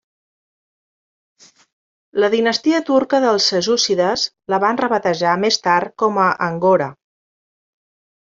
La dinastia turca dels seljúcides la van rebatejar més tard com Angora.